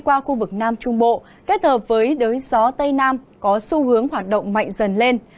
qua khu vực nam trung bộ kết hợp với đới gió tây nam có xu hướng hoạt động mạnh dần lên